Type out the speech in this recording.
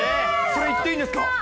それ言っていいんですか。